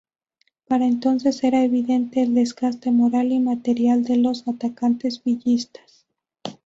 Para entonces era evidente el desgaste moral y material de los atacantes villistas.